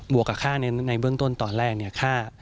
บวกกับค่าในเบื้องต้นตอนแรก